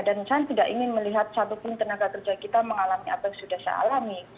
dan saya tidak ingin melihat satupun tenaga kerja kita mengalami apa yang sudah saya alami